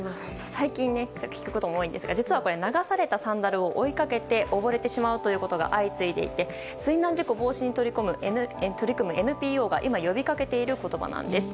最近、よく聞くことも多いんですが実はこれ流されたサンダルを追いかけて溺れるということが相次ぎ水難事故防止に取り組むＮＰＯが今、呼び掛けている言葉なんです。